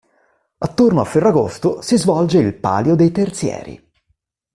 Attorno a Ferragosto si svolge il "Palio dei Terzieri".